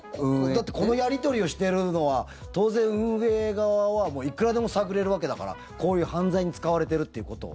だってこのやり取りをしてるのは当然、運営側はもういくらでも探れるわけだからこういう犯罪に使われてるっていうことを。